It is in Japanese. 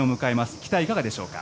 期待はいかがでしょうか？